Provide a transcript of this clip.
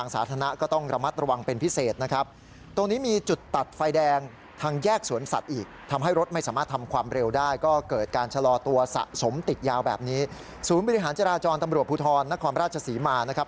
สมติดยาวแบบนี้ศูนย์บริหารจราจรตำรวจพุทธรนครราชสีมานะครับ